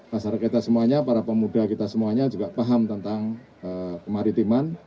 masyarakat kita semuanya para pemuda kita semuanya juga paham tentang kemaritiman